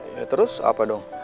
ya terus apa dong